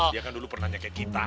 dia kan dulu pernah nyakit kita